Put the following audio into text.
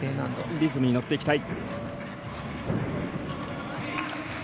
リズムに乗っていきたい。